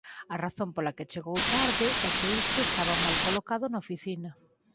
A razón pola que chego tarde é que isto estaba mal colocado na oficina.